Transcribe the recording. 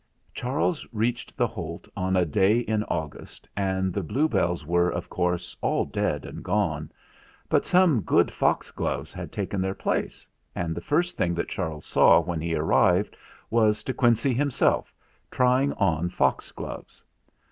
Charles reached the Holt on a day in Au 181 182 THE FLINT HEART gust, and the bluebells were, of course, all dead and gone, but some good foxgloves had taken their places; and the first thing that Charles saw when he arrived was De Quincey himself, trying on foxgloves.